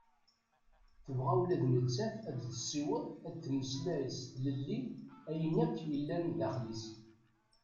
Tebɣa ula d nettat ad tessiweḍ ad temmeslay s tlelli ayen akk yellan daxel-is.